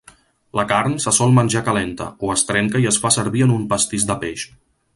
La carn se sol menjar calenta, o es trenca i es fa servir en un pastís de peix.